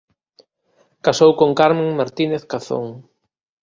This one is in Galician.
Casou con Carmen Martínez Cazón.